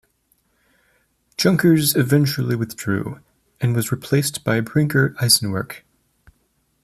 Junkers eventually withdrew and was replaced by Brinker Eisenwerk.